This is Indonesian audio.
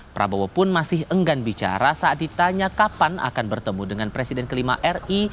prabowo pun masih enggan bicara saat ditanya kapan akan bertemu dengan presiden kelima ri